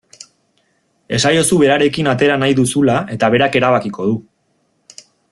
Esaiozu berarekin atera nahi duzula eta berak erabakiko du.